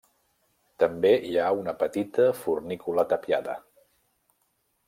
També hi ha una petita fornícula tapiada.